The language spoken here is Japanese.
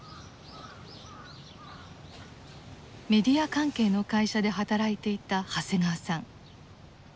メディア関係の会社で働いていた長谷川さん。